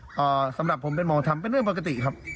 สำหรับผมเป็นหมอธรรมเป็นเรื่องปกติครับ